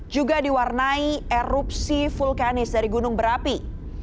juga diwarnai erupsi vulkanis dari gunung berapi